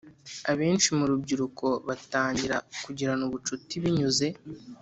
Abenshi mu rubyiruko batangira kugirana ubucuti binyuze